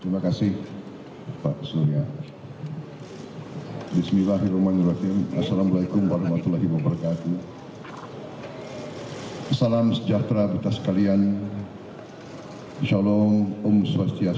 bisa menanyakan apa saja kepada presiden terpilih kita